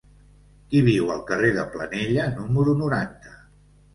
Qui viu al carrer de Planella número noranta?